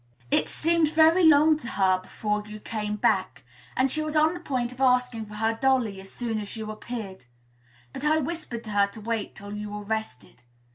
It seemed very long to her before you came back, and she was on the point of asking for her dolly as soon as you appeared; but I whispered to her to wait till you were rested.